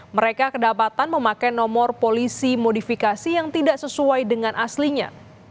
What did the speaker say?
mereka kedapatan memakai nomor polisi modifikasi yang tidak sesuai dengan aslinya